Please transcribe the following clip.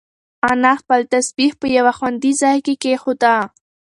انا خپل تسبیح په یو خوندي ځای کې کېښوده.